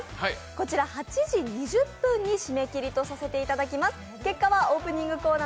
こちら８時２０分に締め切りとさせていただきます。